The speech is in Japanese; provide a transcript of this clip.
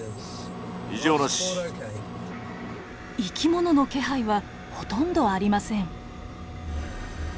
生き物の気配はほとんどありません。